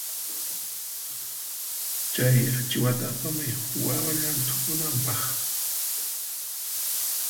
Chay achiwata apamuy wawa llanthukunanpaq.